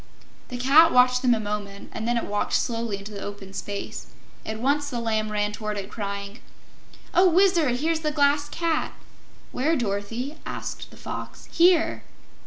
The Cat watched them a moment and then it walked slowly into the open space. At once the Lamb ran toward it, crying: "Oh, Wizard, here's the Glass Cat!" "Where, Dorothy?" asked the Fox. "Here!"